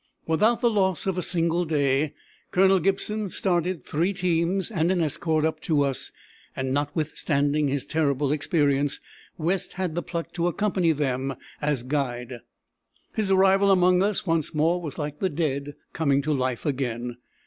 Without the loss of a single day Colonel Gibson started three teams and an escort up to us, and notwithstanding his terrible experience, West had the pluck to accompany them as guide. His arrival among us once more was like the dead coming to life again.